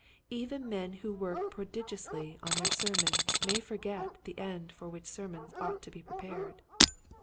Even men who work prodigiously on their sermons may forget the end for which sermons ought to be pre pared.